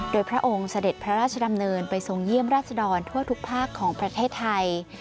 โดยพระองค์เสด็จพระราชดำเนินไปทรงเยี่ยมราชดรทั่วทุกภาคของประเทศไทย